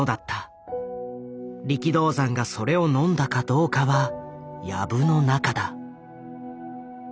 力道山がそれをのんだかどうかは藪の中だ。